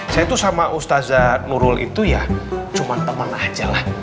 saya tuh sama ustaza nurul itu ya cuma teman aja lah